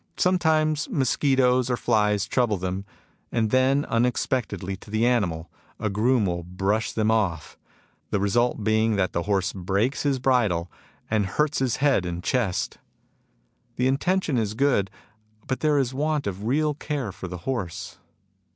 Sometimes mos quitoes or flies trouble them ; and then, unex pectedly to the animal, a groom will brush them off, the result being that the horse breaks his bridle, and hurts his head and chest. The inten tion is good, but there is a want of real care for the horse.